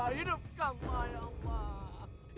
hidupkanlah ya allah